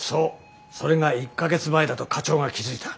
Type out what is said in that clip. それが１か月前だと課長が気付いた。